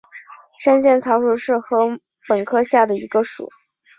山涧草属是禾本科下的一个属。